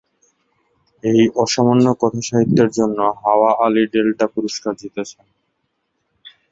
এই অসামান্য কথাসাহিত্যের জন্য হাওয়া আলী ডেল্টা পুরস্কার জিতেছেন।